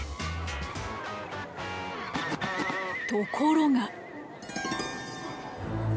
ところが。